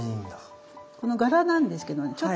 この柄なんですけどね